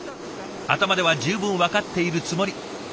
頭では十分分かっているつもり。